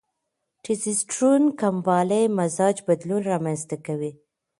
ټیسټسټرون کموالی مزاج بدلون رامنځته کوي.